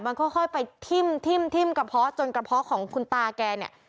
มันค่อยไปทิ่มกระเพาะจนกระเพาะของคุณตาแกเนี่ย